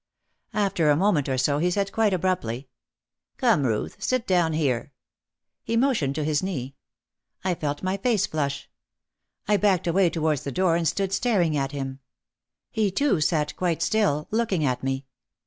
After a moment or so he said quite abruptly, "Come, Ruth, sit down here." He motioned to his knee. I felt my face flush. I backed away towards the door and stood staring at him. He too sat quite still looking at me.